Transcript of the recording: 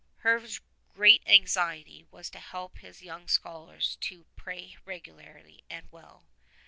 Herve's great anxiety was to help his young scholars to pray regularly and well.